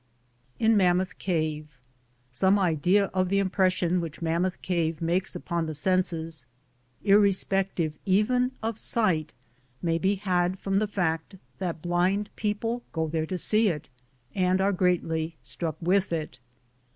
IN MAMMOTH CAVE Some idea of the impression which Mammoth Cave makes upon the senses, irrespective even of sight, may be had from the fact that blind people go there to see it, and are greatly struck with it.